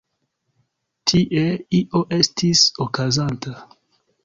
Tie io estis okazanta.